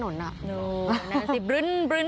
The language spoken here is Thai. โน้นนะสิบรึ้นบรึ้นบรึ้น